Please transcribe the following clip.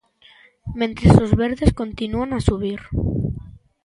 Mentres, os Verdes continúan a subir.